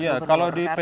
iya kalau di pdn